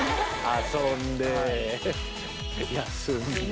遊んで休んで。）